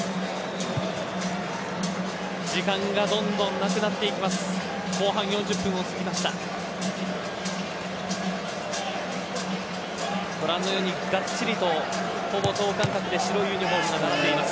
時間がどんどんなくなってきます。